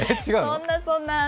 そんなそんな。